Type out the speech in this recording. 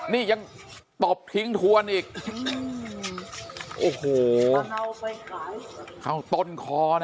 นี่ยังตบทิ้งถวนอีกโอ้โหตอนเอาไปขายของต้นคอนะฮะ